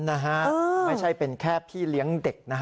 ไม่ใช่เป็นแค่พี่เลี้ยงเด็กนะฮะ